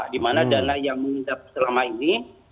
di mana dana yang mengidap selama ini